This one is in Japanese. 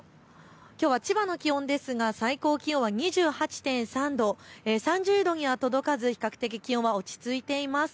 きょうは千葉の気温ですが最高気温２８．３度、３０度には届かず比較的気温は落ち着いています。